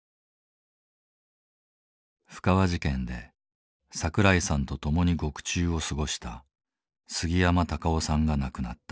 布川事件で桜井さんと共に獄中を過ごした杉山卓男さんが亡くなった。